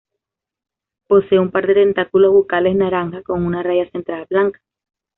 Posee un par de tentáculos bucales naranjas con una raya central blanca.